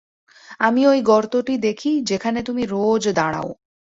আমি ঐ গর্তটি দেখি, যেখানে তুমি রোজ দাঁড়াও।